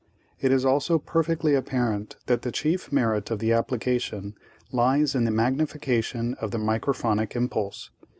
It is also perfectly apparent that the chief merit of the application lies in the magnification of the microphonic impulse.